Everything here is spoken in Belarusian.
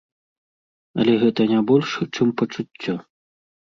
Але гэта не больш, чым пачуццё.